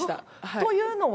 というのは？